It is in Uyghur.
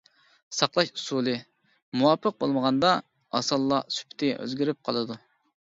ساقلاش ئۇسۇلى مۇۋاپىق بولمىغاندا ئاسانلا سۈپىتى ئۆزگىرىپ قالىدۇ.